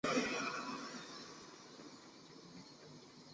最初目标是作为快速轰炸机与俯冲轰炸机。